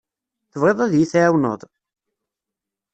Tebɣiḍ ad iyi-tɛiwneḍ?